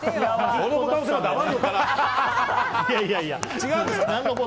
このボタン押せば黙るのかな？